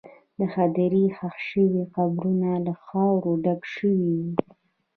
د هدیرې ښخ شوي قبرونه له خاورو ډک شوي وو.